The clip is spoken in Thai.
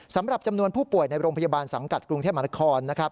สำหรับจำนวนผู้ป่วยในโรงพยาบาลสังกัดกรุงเทพมหานครนะครับ